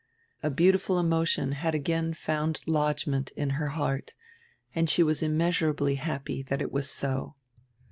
A beautiful emotion had again found lodgment in her heart and she was immeasurably happy diat it was so.